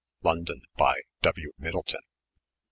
London, by W. Myddylton.